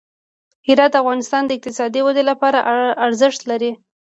هرات د افغانستان د اقتصادي ودې لپاره ارزښت لري.